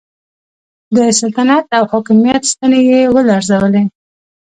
د سلطنت او حاکمیت ستنې یې ولړزولې.